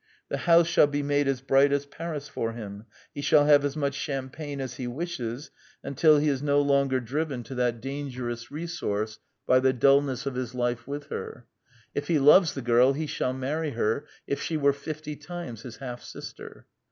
The house shall be made as bright as Paris for him: he shall have as much champagne as he wishes until he is no longer driven to that dangerous The Anti Idealist Plays 97 resource by the dulness of his life with her: if he loves the girl he shall marry her if she were fifty times his half sister.